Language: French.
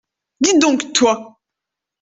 Dis donc, toi.